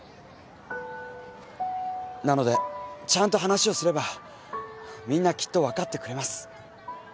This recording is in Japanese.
なのでちゃんと話をすればみんなきっと分かってくれます。